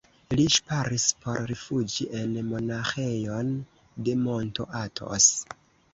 Li ŝparis por rifuĝi en monaĥejon de monto Atos.